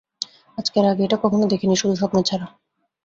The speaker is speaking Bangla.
আজকের আগে এটা কখনো দেখিনি, শুধু স্বপ্নে ছাড়া।